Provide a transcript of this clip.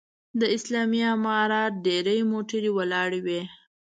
د اسلامي امارت ډېرې موټرې ولاړې وې.